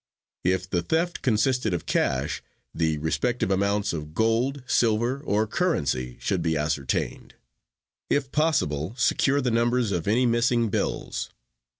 If the theft consisted of cash, the respective amounts of gold, silver or currency should be ascertained. If possible, secure the numbers of any missing bills.